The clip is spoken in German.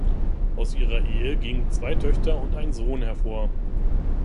Aus ihrer Ehe gingen zwei Töchter und ein Sohn hervor.